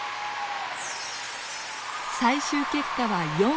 最終結果は４位。